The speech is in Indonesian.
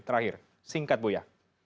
terakhir singkat buya